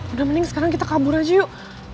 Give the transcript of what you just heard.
udah mending sekarang kita kabur aja yuk